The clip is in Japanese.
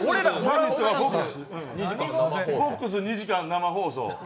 「フォックス」２時間生放送。